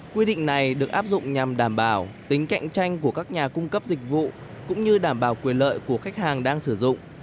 quy định này được áp dụng nhằm đảm bảo tính cạnh tranh của các nhà cung cấp dịch vụ cũng như đảm bảo quyền lợi của khách hàng đang sử dụng